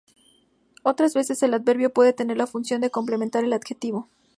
Otras veces el adverbio puede tener la función de complementar al adjetivo.